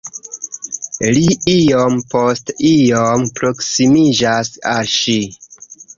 Li iom post iom proksimiĝas al ŝi.